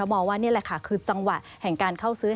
มองว่านี่แหละค่ะคือจังหวะแห่งการเข้าซื้อ